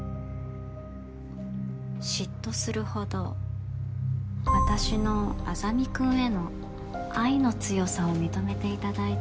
嫉妬するほど私の莇君への愛の強さを認めていただいて。